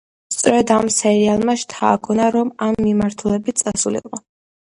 სწორედ ამ სერიალმა შთააგონა, რომ ამ მიმართულებით წასულიყო.